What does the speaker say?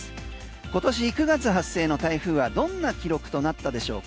今年９月発生の台風はどんな記録となったでしょうか？